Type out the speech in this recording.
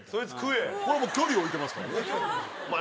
これは距離置いてますからね。